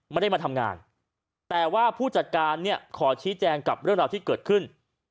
ไม่ได้มาทำงานแต่ว่าผู้จัดการเนี่ยขอชี้แจงกับเรื่องราวที่เกิดขึ้น